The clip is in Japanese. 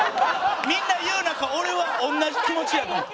みんな言う中俺は同じ気持ちやと思う。